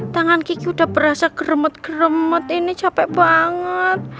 tangan kiki udah berasa geremet geremet ini capek banget